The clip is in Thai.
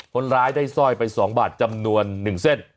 คนร้ายได้สร้อยไป๒บาทจำนวน๑เส้น